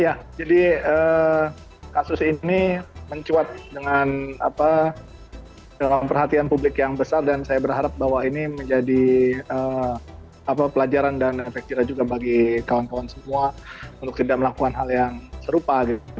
ya jadi kasus ini mencuat dengan perhatian publik yang besar dan saya berharap bahwa ini menjadi pelajaran dan efek jerah juga bagi kawan kawan semua untuk tidak melakukan hal yang serupa